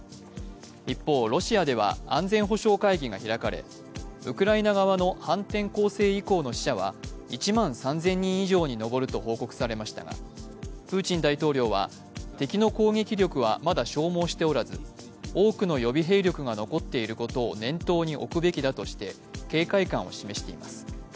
一方、ロシアでは安全保障会議が開かれウクライナ側の反転攻勢以降の死者は１万３０００人以上に上ると報告されましたが、プーチン大統領は敵の攻撃力はまだ消耗しておらず多くの予備兵力が残っていることを念頭に置くべきだとして警戒感を示しています。